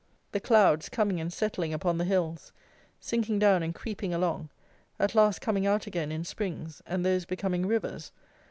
The clouds, coming and settling upon the hills, sinking down and creeping along, at last coming out again in springs, and those becoming rivers.